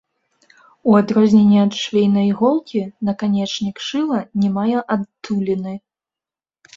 У адрозненне ад швейнай іголкі, наканечнік шыла не мае адтуліны.